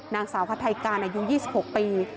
นางสาวฮัตไทยกาลอายุ๒๖ปี